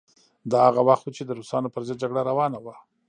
دا هغه وخت و چې د روسانو پر ضد جګړه روانه وه.